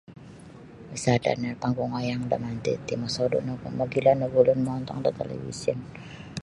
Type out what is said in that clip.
Isada nio panggung wayang da manti ti mosodu nogu magilo nogu ulun mongontong da talibisin.